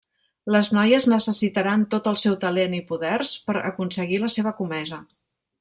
Les noies necessitaran tot el seu talent i poders per aconseguir la seva comesa.